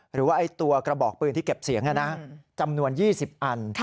หรือว่าตัวกระบอกปืนที่เก็บเสียงจำนวน๒๐อัน